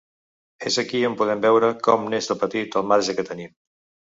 És aquí on podem veure com n’és, de petit, el marge que tenim.